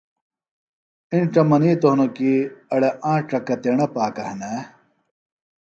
اِنڇہ منِیتوۡ ہنوۡ کیۡ ”اڑے آنڇہ کتیڻہ پاکہ ہنے“